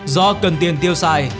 do cần tiền tiêu xài